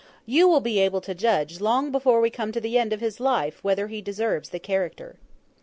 You will be able to judge, long before we come to the end of his life, whether he deserves the character.